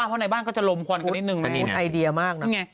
อุ๊ยไอเดียมากน่ะ